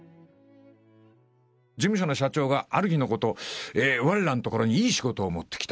事務所の社長が、ある日のこと、われらのところにいい仕事を持ってきた。